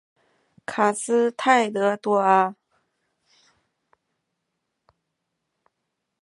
卡斯泰德多阿。